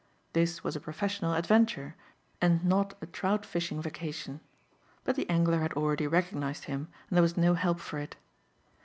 This was a professional adventure and not a trout fishing vacation. But the angler had already recognized him and there was no help for it.